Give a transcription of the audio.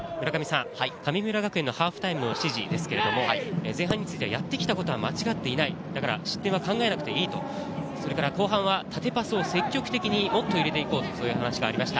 神村学園のハーフタイムの指示ですが、前半について、やってきたことは間違っていない、失点は考えなくていいと、後半は縦パスを積極的にもっと入れて行こうという話がありました。